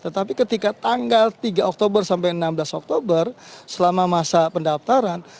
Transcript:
tetapi ketika tanggal tiga oktober sampai enam belas oktober selama masa pendaftaran